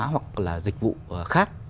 hoặc là dịch vụ khác